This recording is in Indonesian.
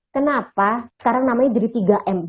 kenapa sekarang namanya jadi tiga m